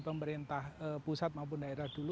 pemerintah pusat maupun daerah dulu